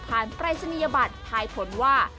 ผ่านปรายชนิยบัตรถ่ายผลว่า